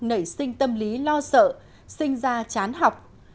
nảy sinh tâm lý lo sợ sinh ra chán học